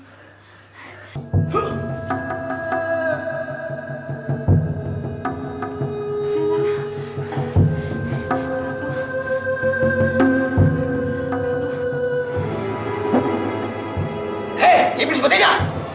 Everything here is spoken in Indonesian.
hei dia berisik padanya